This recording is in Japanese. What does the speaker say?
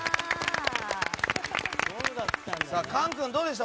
簡君、どうでした？